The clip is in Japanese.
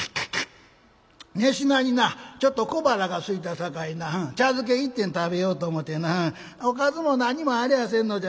寝しなになちょっと小腹がすいたさかいな茶漬け食べようと思ってなおかずも何もありゃせんのじゃ。